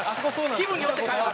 気分によって変えます。